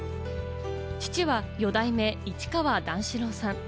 父は四代目・市川段四郎さん。